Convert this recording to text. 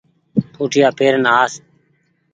پوٺيآ پيرين آس